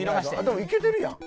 でもいけてるやん！